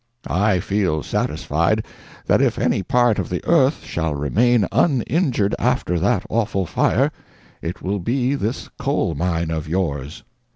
I feel satisfied that if any part of the earth shall remain uninjured after that awful fire, it will be this coal mine of yours!"